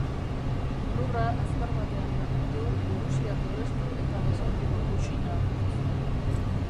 Lurra azkar batean garbitu, burusia tolestu eta besaulkiko kuxina harrotu zuen.